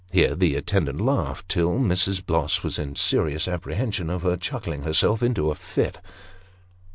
: Here the attendant laughed till Mrs. Bloss was in serious apprehension of her chuckling herself into a fit.